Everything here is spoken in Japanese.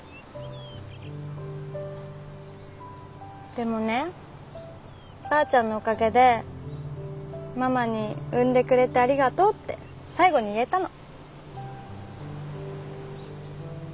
でもねばあちゃんのおかげでママに「産んでくれてありがとう」って最後に言えたの。